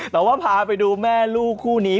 แต่ว่าพาไปดูแม่ลูกคู่นี้